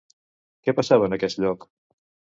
Què passava en aquest lloc?